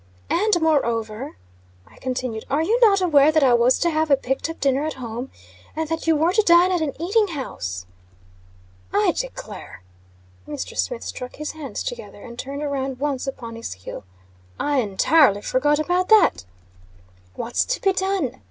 "And, moreover," I continued, "are you not aware that I was to have a picked up dinner at home, and that you were to dine at an eating house?" "I declare!" Mr. Smith struck his hands together, and turned around once upon his heel. "I entirely forgot about that." "What's to be done?"